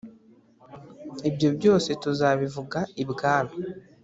ibyo byose tuzabivuga ibwami».